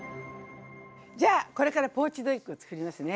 じゃあこれからポーチドエッグをつくりますね。